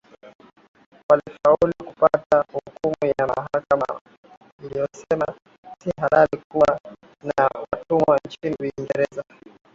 Walifaulu kupata hukumu ya mahakama iliyosema si halali kuwa na watumwa nchini Uingereza